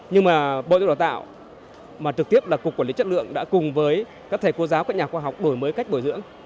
nhưng mà bộ giáo dục đào tạo mà trực tiếp là cục quản lý chất lượng đã cùng với các thầy cô giáo các nhà khoa học đổi mới cách bồi dưỡng